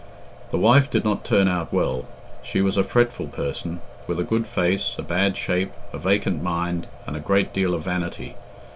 The wife did not turn out well. She was a fretful person, with a good face, a bad shape, a vacant mind, and a great deal of vanity.